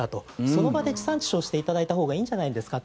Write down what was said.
その場で地産地消していただいたほうがいいんじゃないですか。